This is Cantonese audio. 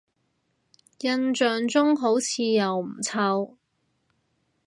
印象中好似又唔臭